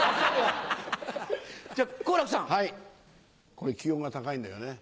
これ気温が高いんだよね